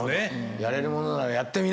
やれるものならやってみな。